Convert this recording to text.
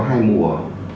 thì có hai mùa